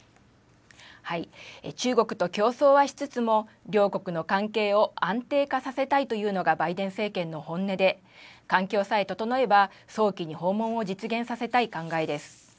中国と競争はしつつも両国の関係を安定化させたいというのがバイデン政権の本音で、環境さえ整えば早期に訪問を実現させたい考えです。